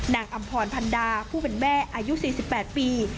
นางอำพรพันดาผู้เป็นแม่อายุสี่สิบแปดปี